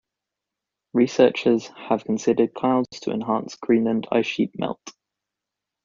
Researchers have considered clouds to enhance Greenland ice sheet melt.